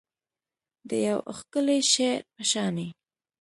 د یو ښکلي شعر په شاني